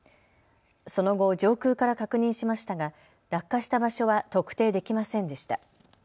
その後、上空から確認しましたが落下した場所は特定できませんでした。